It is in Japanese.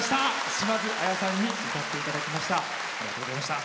島津亜矢さんに歌っていただきました。